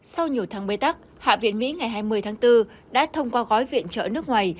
sau nhiều tháng bê tắc hạ viện mỹ ngày hai mươi tháng bốn đã thông qua gói viện trợ nước ngoài